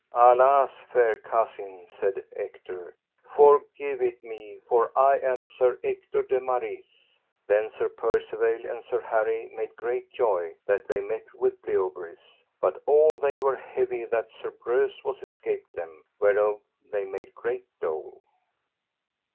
Alas, fair cousin, said Ector, forgive it me, for I am Sir Ector de Maris. Then Sir Percivale and Sir Harry made great joy that they met with Bleoberis, but all they were heavy that Sir Breuse was escaped them, whereof they made great dole.